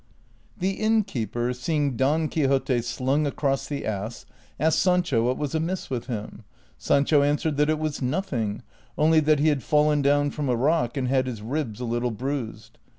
The innkeeper, seeing Don Quixote slung across the ass, asked Sanclio wliat was amiss with hiiu. Sancho answered that it was nothing, only that he had fallen down from a rock and had his ribs a little bruised.